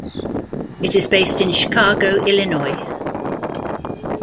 It is based in Chicago, Illinois.